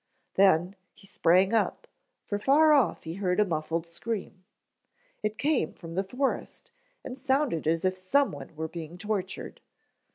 Then, he sprang up, for far off he heard a muffled scream. It came from the forest and sounded as if someone were being tortured.